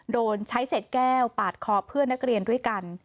โดนใช้เศษแก้วปาดคอเพื่อนนักเรียนด้วยกัน